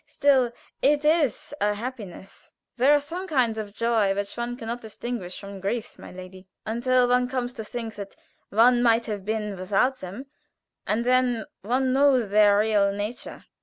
Still it is a happiness; there are some kinds of joy which one can not distinguish from griefs, my lady, until one comes to think that one might have been without them, and then one knows their real nature."